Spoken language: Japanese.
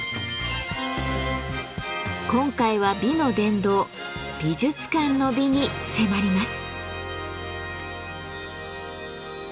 今回は美の殿堂美術館の美に迫ります。